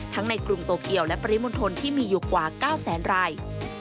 ในกรุงโตเกียวและปริมณฑลที่มีอยู่กว่า๙แสนราย